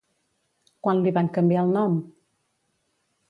Quan li van canviar el nom?